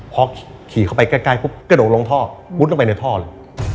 พอขี่เข้าไปใกล้ปุ๊บกระโดดลงท่อมุดลงไปในท่อเลย